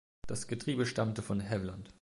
Das Getriebe stammte von Hewland.